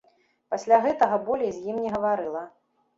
Пасля гэтага болей з ім не гаварыла.